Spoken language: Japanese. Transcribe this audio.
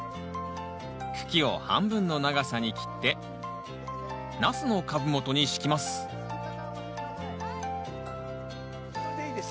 茎を半分の長さに切ってナスの株元に敷きますいいです。